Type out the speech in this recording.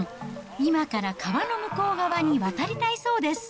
今から川の向こう側に渡りたいそうです。